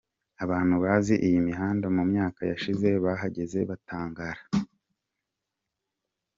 Abantu bazi iyi mihanda mu myaka yashize bahageze, batangara.